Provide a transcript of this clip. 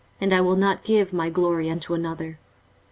and I will not give my glory unto another.